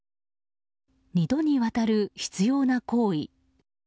２度にわたる執拗な行為。